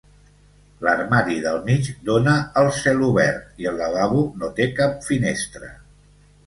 L'armari del mig dona al celobert i el lavabo no té cap finestra.